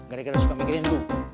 gak ada yang suka mikirin lo